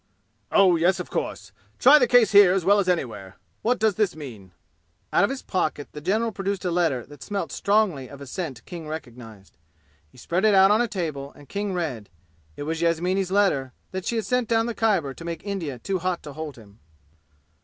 "Oh, yes, of course. Try the case here as well as anywhere. What does this mean?" Out of his pocket the general produced a letter that smelt strongly of a scent King recognized. He spread it out on a table, and King read. It was Yasmini's letter that she had sent down the Khyber to make India too hot to hold him.